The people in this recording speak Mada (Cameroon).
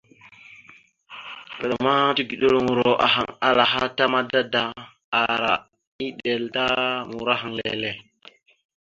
Vvaɗ ma tigəɗeluŋoro ahaŋ ala aha ta mada da ara eɗel ta murahaŋ leele.